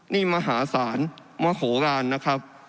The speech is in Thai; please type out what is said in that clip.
นี่มหาศาลมโหลานนะครับ